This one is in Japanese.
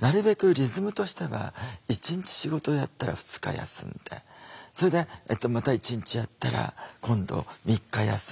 なるべくリズムとしては１日仕事をやったら２日休んでそれでまた１日あったら今度３日休んでって。